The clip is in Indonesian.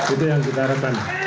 itu yang kita harapkan